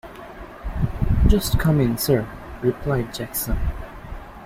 ‘Just come in, Sir,’ replied Jackson.